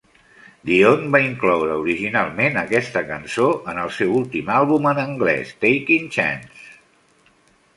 Dion va incloure originalment aquesta cançó en el seu últim àlbum en anglès "Taking Chances".